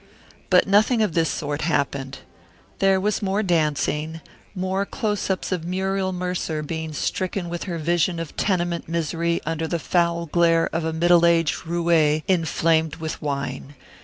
But nothing of this sort happened. There was more dancing, more close ups of Muriel Mercer being stricken with her vision of tenement misery under the foul glare of a middle aged roue inflamed with wine.